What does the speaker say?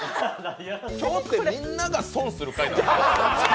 今日ってみんなが損する回なんですか？